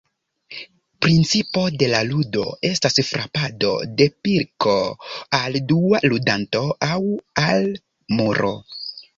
Principo de la ludo estas frapado de pilko al dua ludanto aŭ al muro.